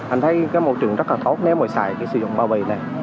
anh thấy môi trường rất là tốt nếu mà xài sử dụng bao bì này